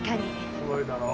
すごいだろう。